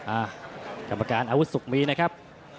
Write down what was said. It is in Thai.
กรรมการอาวุธสุขมีนะครับ